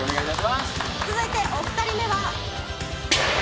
続いて、お二人目は。